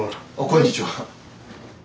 こんにちは。